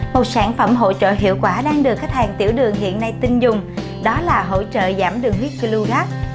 một sản phẩm hỗ trợ hiệu quả đang được khách hàng tiểu đường hiện nay tin dùng đó là hỗ trợ giảm đường huyết chlogat